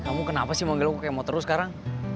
kamu kenapa sih manggil aku kemot terus sekarang